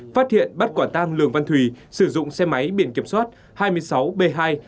phát hiện bắt quả tăng lường văn thùy sử dụng xe máy biển kiểm soát hai mươi sáu b hai sáu mươi sáu nghìn sáu trăm linh sáu